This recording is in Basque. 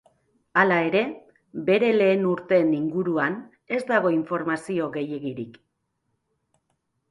Hala ere, bere lehen urteen inguruan ez dago informazio gehiegirik.